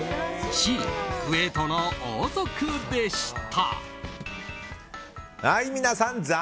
Ｃのクウェートの王族でした。